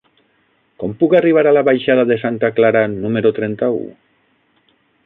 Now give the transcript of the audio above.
Com puc arribar a la baixada de Santa Clara número trenta-u?